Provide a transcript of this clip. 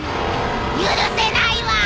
許せないわー！